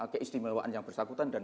keistimewaan yang bersangkutan dan